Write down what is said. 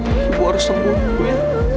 ibu harus sembuh bu ya